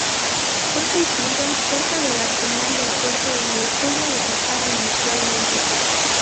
Fue construida cerca del Arsenal del puerto, donde estuvo ubicada inicialmente.